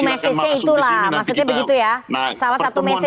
message nya itulah maksudnya begitu ya